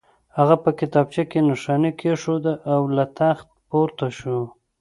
هغه په کتابچه کې نښاني کېښوده او له تخت پورته شو